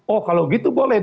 oh kalau gitu boleh